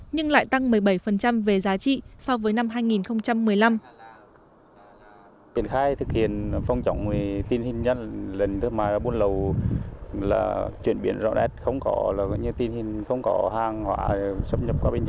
nhưng lại tăng một mươi bảy về giá trị so với năm hai nghìn một mươi năm